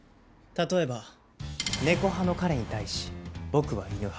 例えば猫派の彼に対し僕は犬派。